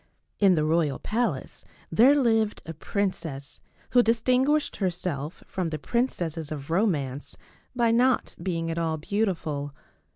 In the royal palace there lived a princess who dis tinguished herself from the princesses of romance by not being at all beautiful.